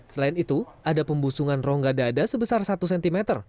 selain itu ada pembusungan rongga dada sebesar satu cm